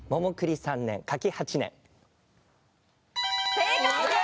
正解です。